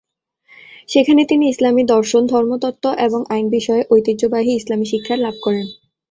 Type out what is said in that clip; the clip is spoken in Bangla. সেখানে তিনি ইসলামি দর্শন, ধর্মতত্ত্ব এবং আইন বিষয়ে ঐতিহ্যবাহী ইসলামি শিক্ষা লাভ করেন।